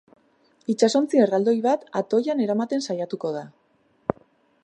Itsasontzi erraldoi bat atoian eramaten saiatuko da.